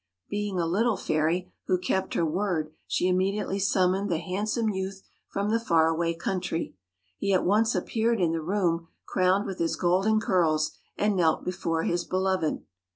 Being a little fairy who kept her word, she immediately summoned the handsome youth from the far away country. He at once appeared in the room, crowned with his golden curls, and knelt before his beloved.